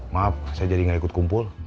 maaf saya jadi nggak ikut kumpul